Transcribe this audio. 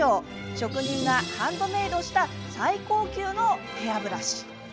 職人がハンドメイドした最高級のヘアブラシ。